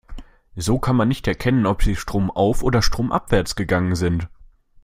So kann man nicht erkennen, ob sie stromauf- oder stromabwärts gegangen sind.